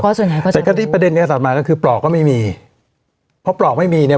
ส่วนใหญ่แต่ก็ที่ประเด็นเนี้ยถัดมาก็คือปลอกก็ไม่มีเพราะปลอกไม่มีเนี่ย